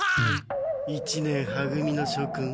一年は組の諸君。